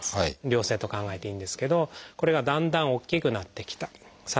良性と考えていいんですけどこれがだんだん大きくなってきた。